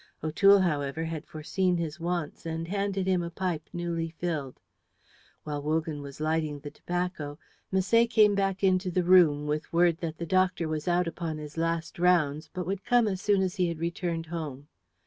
O'Toole, however, had foreseen his wants and handed him a pipe newly filled. While Wogan was lighting the tobacco, Misset came back into the room with word that the doctor was out upon his last rounds, but would come as soon as he had returned home.